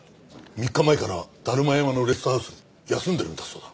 ３日前から達磨山のレストハウス休んでるんだそうだ。